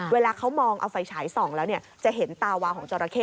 เวลาเขามองเอาไฟฉายส่องแล้วจะเห็นตาวาวของจราเข้